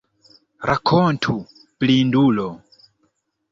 Rakontu, blindulo!